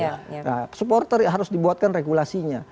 nah supporter ya harus dibuatkan regulasinya